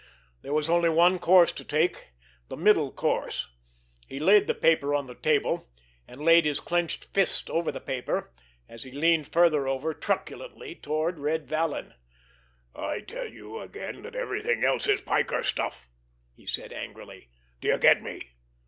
There was only one course to take—the middle course. He laid the paper on the table, and laid his clenched fist over the paper, as he leaned farther over, truculently, toward Red Vallon. "I tell you again that everything else is piker stuff," he said angrily. "Do you get me?